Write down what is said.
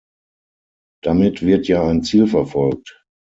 Damit wird ja ein Ziel verfolgt.